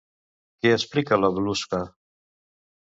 Què explica la Völuspá?